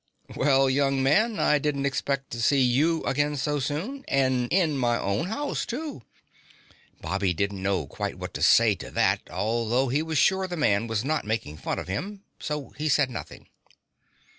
"Well, young man, I didn't expect to see you again so soon, and in my own house, too." Bobby didn't know quite what to say to that although he was sure the man was not making fun of him, so he said nothing.